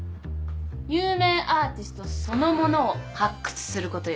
有名アーティストそのものを発掘することよ。